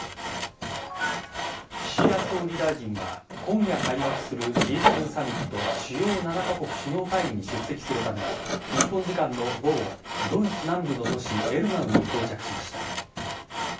岸田総理大臣は今夜開幕するＧ７サミット主要７カ国首脳会議に出席するため日本時間の午後ドイツ南部の都市・エルマウに到着しました。